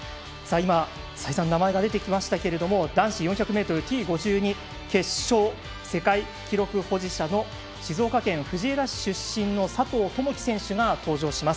再三名前が出てきましたけれども男子４００ｍＴ５２決勝、世界記録保持者の静岡県藤枝市出身の佐藤友祈選手が登場します。